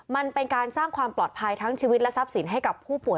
มันเป็นการสร้างความปลอดภัยทั้งชีวิตและทรัพย์สินให้กับผู้ป่วย